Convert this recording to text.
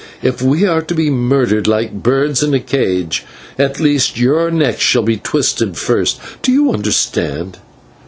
"If we are to be murdered like birds in a cage," he went on, "at least your neck shall be twisted first. Do you understand?"